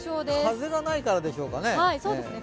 風がないからでしょうかね。